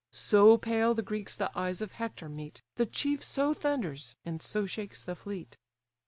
So pale the Greeks the eyes of Hector meet, The chief so thunders, and so shakes the fleet.